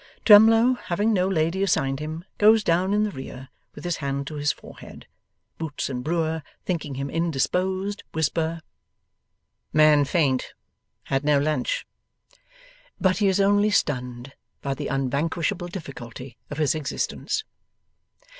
Twemlow, having no lady assigned him, goes down in the rear, with his hand to his forehead. Boots and Brewer, thinking him indisposed, whisper, 'Man faint. Had no lunch.' But he is only stunned by the unvanquishable difficulty of his existence.